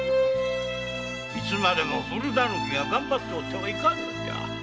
いつまでも古ダヌキが頑張っててはいかんのじゃ。